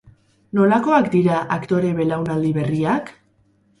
Nolakoak dira aktore belaunaldi berriak?